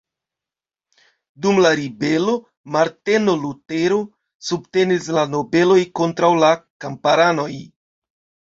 Dum la ribelo Marteno Lutero subtenis la nobelojn kontraŭ la kamparanoj.